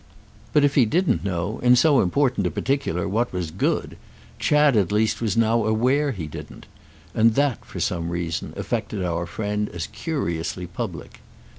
But if he didn't know, in so important a particular, what was good, Chad at least was now aware he didn't; and that, for some reason, affected our friend as curiously public.